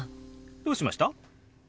どうしました？